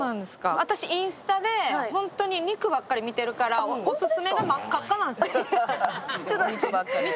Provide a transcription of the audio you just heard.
私、インスタで肉ばっかり見てるからオススメが真っ赤っかなんですよ。